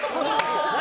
何？